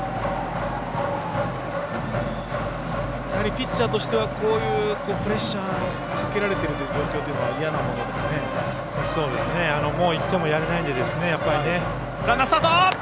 ピッチャーとしてはこういうプレッシャーをかけられている状況というのは嫌なものですね。